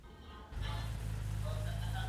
زه مخکي خبري کړې وې!.